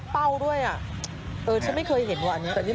พอแล้ว